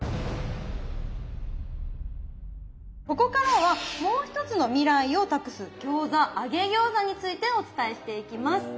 ここからはもう一つの未来をたくす餃子揚げ餃子についてお伝えしていきます。